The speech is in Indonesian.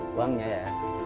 buang ya ya